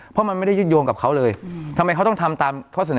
เพราะมันไม่ได้ยึดโยงกับเขาเลยทำไมเขาต้องทำตามข้อเสนอ